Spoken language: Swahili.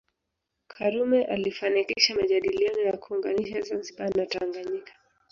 Karume alifanikisha majadiliano ya kuunganisha Zanzibar na Tanganyika